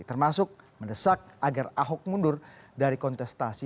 termasuk mendesak agar ahok mundur dari kontestasi